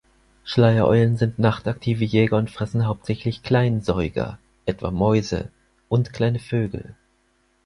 Schleiereulen sind nachtaktive Jäger und fressen hauptsächlich Kleinsäuger, etwa Mäuse, und kleine Vögel.